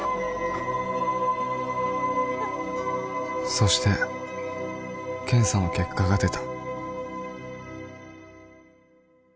そして検査の結果が出た